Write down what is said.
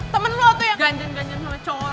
temen lo tuh yang ganjen ganjen sama cowok orang